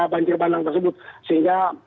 banjir banang tersebut sehingga